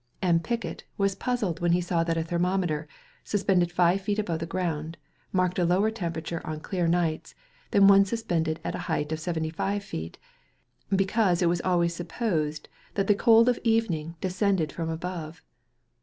M. Picket was puzzled when he saw that a thermometer, suspended five feet above the ground, marked a lower temperature on clear nights than one suspended at the height of seventy five feet; because it was always supposed that the cold of evening descended from above.